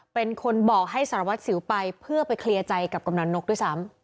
เป็นคนบอกให้สารวัตรสิวไปเพื่อไปเคลียร์ใจกับกำนันนกด้วยซ้ำ